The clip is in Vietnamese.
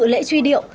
tham dự lễ truy điệu